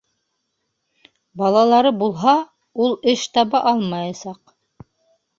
Балалары булһа, ул эш таба алмаясаҡ!